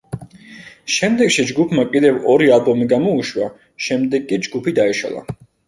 შემდეგში ჯგუფმა კიდევ ორი ალბომი გამოუშვა, შემდეგ კი ჯგუფი დაიშალა.